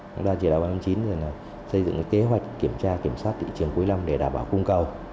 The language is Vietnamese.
vào dịp cuối năm thì xây dựng kế hoạch kiểm tra kiểm soát thị trường cuối năm để đảm bảo cung cầu